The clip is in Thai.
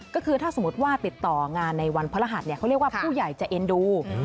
ก็คือถ้าสมมุติว่าติดต่องานในวันพระรหัสเขาเรียกว่าผู้ใหญ่จะเอ็นดู